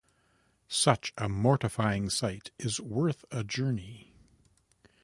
Such a mortifying sight is worth a journey.